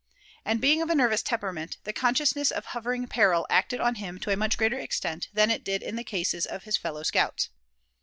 And being of a nervous temperament, the consciousness of hovering peril acted on him to a much greater extent than it did in the cases of his fellow scouts.